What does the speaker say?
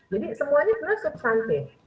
jadi semuanya benar benar subsantik